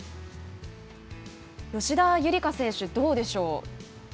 吉田夕梨花選手どうでしょうか。